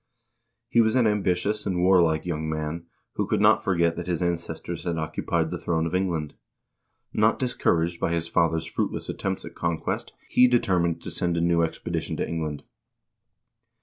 He was an ambitious and warlike young man, who could not forget that his ancestors had occupied the throne of England. Not discouraged by his father's fruitless attempts at conquest, he determined to send a new expedition to England.